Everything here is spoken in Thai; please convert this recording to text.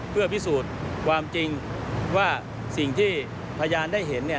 เพื่อพิสูจน์ความจริงว่าสิ่งที่พยานได้เห็น